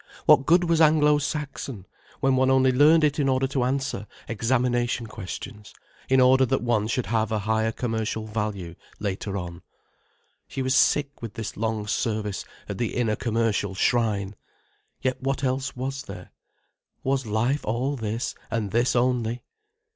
What good was Anglo Saxon, when one only learned it in order to answer examination questions, in order that one should have a higher commercial value later on? She was sick with this long service at the inner commercial shrine. Yet what else was there? Was life all this, and this only?